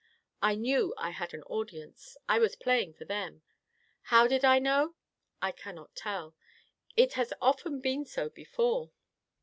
I knew I had an audience. I was playing for them. How did I know? I cannot tell. It has often been so before.